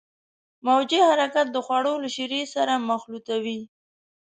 موجي حرکات د خوړو له شیرې سره مخلوطوي.